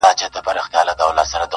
صبر کوه خدای به درکړي!!